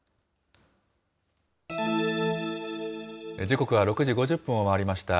時刻は６時５０分を回りました。